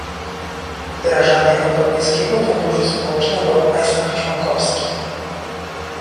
Wdrażanie Europejskiego Funduszu Społecznego w państwach członkowskich